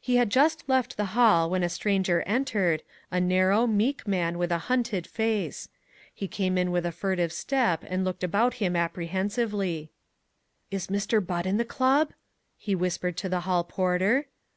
He had just left the hall when a stranger entered, a narrow, meek man with a hunted face. He came in with a furtive step and looked about him apprehensively. "Is Mr. Butt in the club?" he whispered to the hall porter.